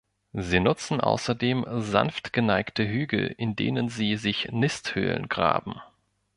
Sie nutzen außerdem sanft geneigte Hügel, in denen sie sich Nisthöhlen graben.